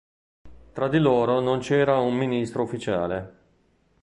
Tra di loro non c'era un ministro ufficiale.